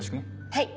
はい！